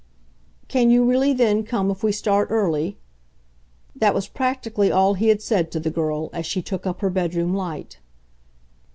"Can you really then come if we start early?" that was practically all he had said to the girl as she took up her bedroom light.